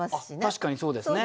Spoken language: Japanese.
確かにそうですね。